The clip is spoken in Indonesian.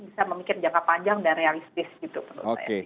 bisa memikir jangka panjang dan realistis gitu